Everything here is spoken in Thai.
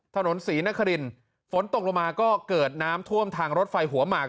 ถนนศรีนครินฝนตกลงมาก็เกิดน้ำท่วมทางรถไฟหัวหมาก